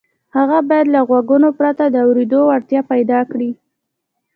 هغه باید له غوږونو پرته د اورېدو وړتیا پیدا کړي